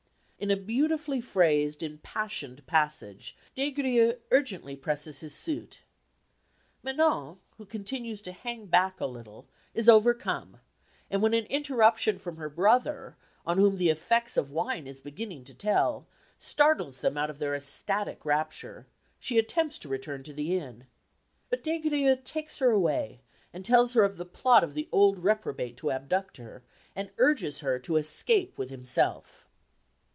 In a beautifully phrased impassioned passage Des Grieux urgently presses his suit. Manon, who continues to hang back a little, is overcome, and when an interruption from her brother, on whom the effects of wine is beginning to tell, startles them out of their ecstatic rapture, she attempts to return to the inn. But Des Grieux takes her away, and tells her of the plot of the old reprobate to abduct her, and urges her to escape with himself.